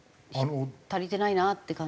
足りてないなって感じは。